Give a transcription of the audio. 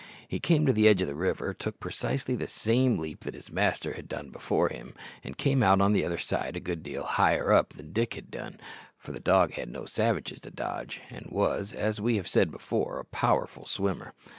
He came to the edge of the river, took precisely the same leap that his master had done before him, and came out on the other side a good deal higher up than Dick had done, for the dog had no savages to dodge, and was, as we have said before, a powerful swimmer.